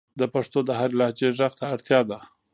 د پښتو د هرې لهجې ږغ ته اړتیا ده.